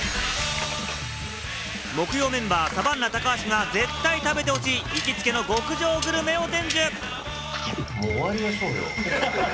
木曜メンバーのサバンナ高橋が絶対食べてほしい行きつけの極上グルメを伝授。